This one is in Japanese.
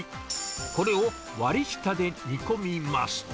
これを割り下で煮込みます。